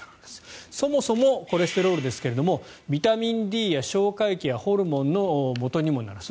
そもそもコレステロールですがビタミンＤや消化液やホルモンのもとにもなる。